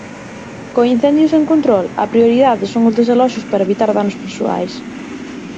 Co incendio sen control, a prioridade son os desaloxos para evitar danos persoais.